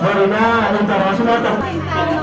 โปรดติดตามต่อไป